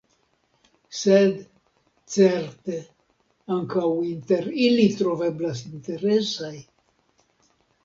Sed, certe, ankaŭ inter ili troveblas interesaj.